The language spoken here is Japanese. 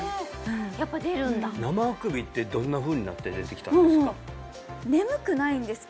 やっぱ出るんだ生あくびってどんなふうになって出てきたんですか？